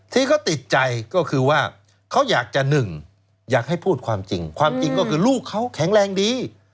ที่เขาติดใจก็คือว่าเขาอยากจะหนึ่งอยากให้พูดความจริงความจริงก็คือลูกเขาแข็งแรงดี